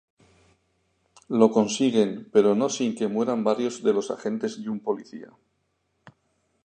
Lo consiguen, pero no sin que mueran varios de los agentes y un policía.